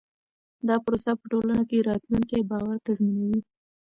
دا پروسه په ټولنه کې راتلونکی باور تضمینوي.